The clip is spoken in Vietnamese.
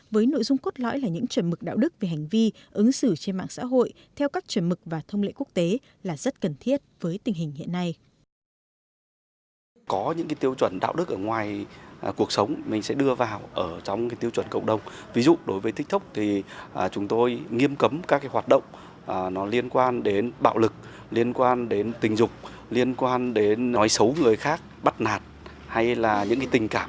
bởi cách ứng xử trên mạng xã hội đa phần là tự do cá nhân thuộc phạm trù đạo đức ý thức của người dùng